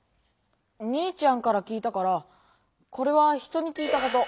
お兄ちゃんから聞いたからこれは人に聞いたこと。